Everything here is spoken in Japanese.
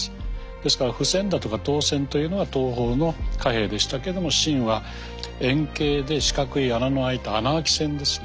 ですから布銭だとか刀銭というのは東方の貨幣でしたけども秦は円形で四角い穴のあいた穴あき銭ですね。